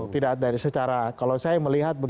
tidak dari secara kalau saya melihat begitu ya